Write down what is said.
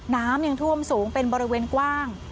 น้ำยังท่วมสูงเป็นบริเวณกว้าง